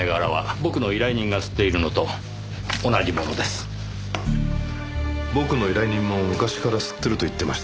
僕の依頼人も昔から吸ってると言っていました。